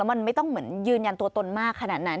มันไม่ต้องเหมือนยืนยันตัวตนมากขนาดนั้น